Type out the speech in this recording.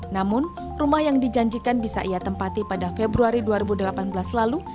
namun rumah yang dijanjikan bisa ia tempati pada februari dua ribu delapan belas lalu